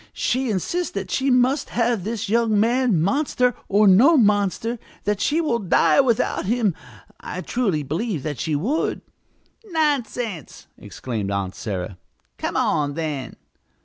She insists that she must have this young man, monster or no monster that she will die without him. I truly believe that she would!" "Nonsense!" exclaimed Aunt Sarah. "Come on, then!"